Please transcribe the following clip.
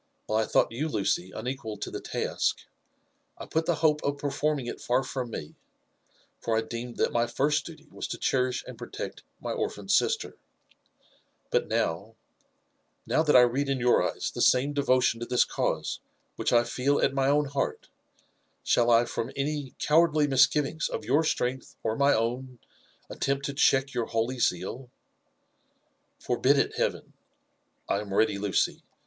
While I thodght you, Lucy, unequal to the task, I put the hope of performing it far from me, for I deemed that my first duty ^as to cherish and protect my orphan sister : but now— now that I read in your eyes the JbNATH AN JEFFERSON WHITLAW. 05 samedeyoUoa to this cause which I feel at my own heart, shall I from any cowardly misgiviDgs of your strength or my own, attempt to check your holy zeal? Forbid it, Heaven !— ^I am ready, Lucy.